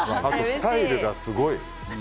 スタイルがすごい。